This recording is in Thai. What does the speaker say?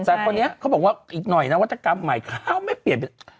แต่คนนี้เขาบอกว่าอีกหน่อยนวัตกรรมใหม่ข้าวไม่เปลี่ยน